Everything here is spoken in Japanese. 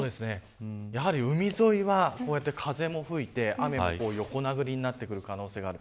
やはり海沿いは、風も吹いて雨も横殴りになってる可能性がある。